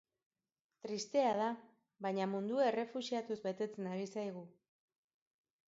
Tristea da, baina mundua errefuxiatuz betetzen ari zaigu.